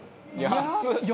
安っ！